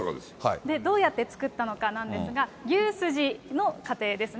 どうやって作ったのかなんですが、牛すじの過程ですね。